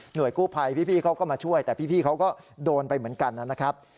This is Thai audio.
กู้ภัยพี่เขาก็มาช่วยแต่พี่เขาก็โดนไปเหมือนกันนะครับ